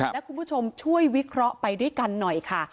และคุณผู้ชมช่วยวิเคราะห์ไปด้วยกันหน่อยค่ะ